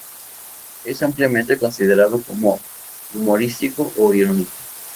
Es ampliamente considerado como humorístico o irónico.